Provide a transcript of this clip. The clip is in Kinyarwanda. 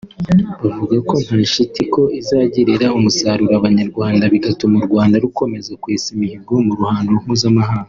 bakavuga nta shiti ko izagirira umusaruro Abanyarwanda bigatuma u Rwanda rukomeza kwesa imihigo mu ruhando mpuzamahanga